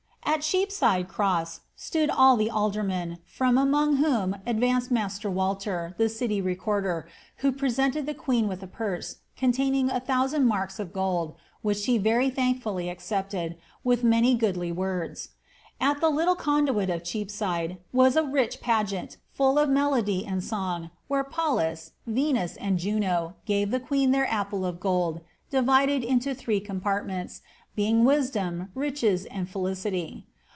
^ At Cheapside cr stood all the aldermen, from among whom advanced master Walter, city recorder, who presented the queen with a purse, containing a th< sand marks of gold, which she very thankfully accepted, with mi goodly words. At the little conduit of Cheapside was a rich paget full of melody and song, where Pallas, Venus, and Juno, gave the qn< their apple of gold, divided into three compartments, being wi^c riches, and felicity.